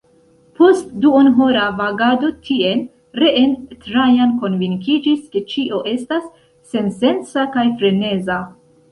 Post duonhora vagado tien, reen, Trajan konvinkiĝis, ke ĉio estas sensenca kaj freneza.